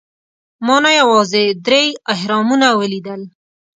ما نه یوازې درې اهرامونه ولیدل.